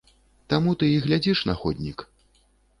Таму ты і глядзіш на ходнік.